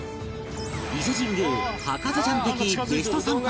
伊勢神宮博士ちゃん的ベスト参拝ルート